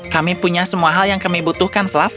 kami punya semua hal yang kami butuhkan fluff